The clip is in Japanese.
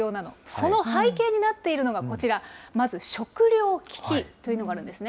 その背景になっているのがこちら、まず食糧危機というのがあるんですね。